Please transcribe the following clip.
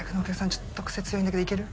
ちょっと癖強いんだけどいける？